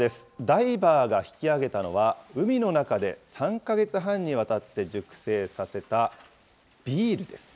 ダイバーが引き上げたのは、海の中で３か月半にわたって熟成させたビールです。